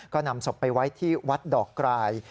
ก็นำศพไปไว้ที่วัดดอกกราย